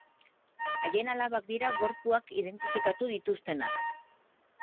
Haien alabak dira gorpuak identifikatu dituztenak.